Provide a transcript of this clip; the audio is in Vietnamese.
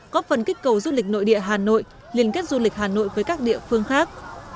có phần kích cầu du lịch nội địa hà nội liên kết du lịch hà nội với các địa phương khác